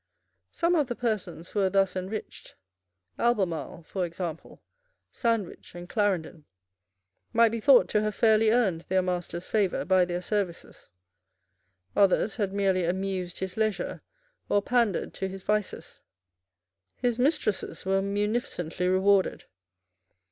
Some of the persons who were thus enriched, Albemarle, for example, Sandwich and Clarendon, might be thought to have fairly earned their master's favour by their services. Others had merely amused his leisure or pandered to his vices. His mistresses were munificently rewarded.